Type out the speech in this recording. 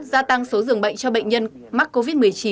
gia tăng số dường bệnh cho bệnh nhân mắc covid một mươi chín